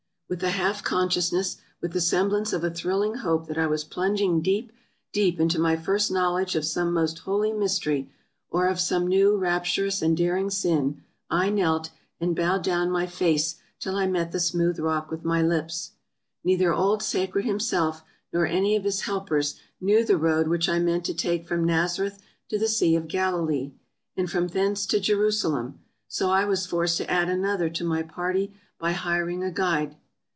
With a half consciousness — with the semblance of a thrilling hope that I was plunging deep, deep into my first knowledge of some most holy mystery, or of some new, rapturous, and daring sin, I knelt, and bowed down my face till I met the smooth rock with my lips. Neither old " Sacred " himself, nor any of his helpers, knew the road which I meant to take from Nazareth to the Sea of Galilee, and from thence to Jerusalem, so I was forced to add another to my party by hiring a guide.